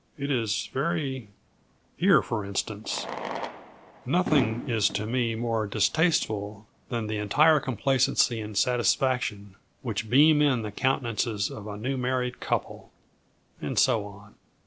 It is very here, for instance 'Nothing is to me more distasteful than the entire complacency and satisfaction which beam in the countenances of a new married couple' and so on.